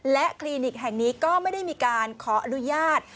และคลินิกแห่งนี้ก็ไม่ได้มีการขออนุญาต